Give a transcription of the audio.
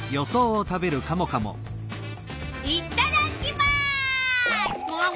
いっただっきます！